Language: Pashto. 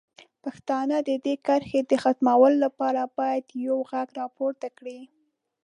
پښتانه د دې کرښې د ختمولو لپاره باید یو غږ راپورته کړي.